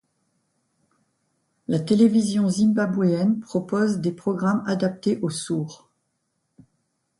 La télévision zimbabwéenne propose des programmes adaptés aux sourds.